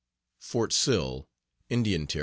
FORT SILL, INDIAN TER.